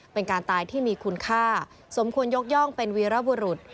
เป็นการตายที่มีคุณค่าสมควรยกย่องเป็นวีรบุรุษ